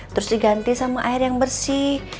terus diganti sama air yang bersih